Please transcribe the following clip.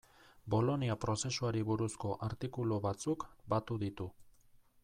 Bolonia prozesuari buruzko artikulu batzuk batu ditu.